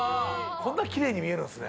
こんな奇麗に見えるんですね。